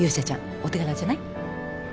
お手柄じゃない？